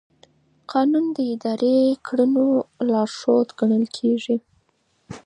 قانون د اداري کړنو لارښود ګڼل کېږي.